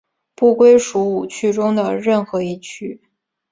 不归属五趣中的任何一趣。